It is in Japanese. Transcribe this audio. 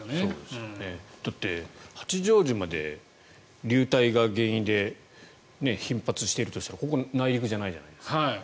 だって、八丈島で流体が原因で頻発しているとしたらここ内陸じゃないじゃないですか。